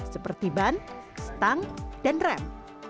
seperti ban stang dan rem